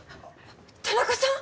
田中さん？